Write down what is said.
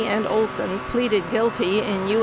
and Olson pleaded guilty in U.